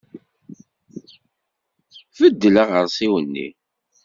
Beddel aɣersiw-nni!